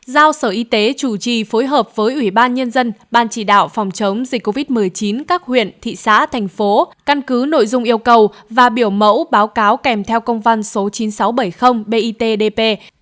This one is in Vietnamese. giao sở y tế chủ trì phối hợp với ủy ban nhân dân ban chỉ đạo phòng chống dịch covid một mươi chín các huyện thị xã thành phố căn cứ nội dung yêu cầu và biểu mẫu báo cáo kèm theo công văn số chín nghìn sáu trăm bảy mươi bitdp